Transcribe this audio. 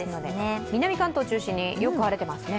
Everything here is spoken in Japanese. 南関東を中心に、よく晴れていますね。